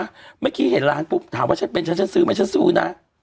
เมื่อกี้เห็นร้านปุ๊บถามว่าฉันเป็นฉันฉันซื้อไหมฉันซื้อนะ